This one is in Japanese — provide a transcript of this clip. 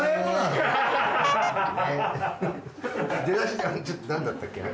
出だしがちょっと何だったっけな？